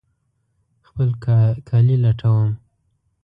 خپل کالي لټوم